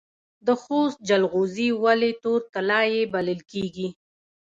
د خوست جلغوزي ولې تور طلایی بلل کیږي؟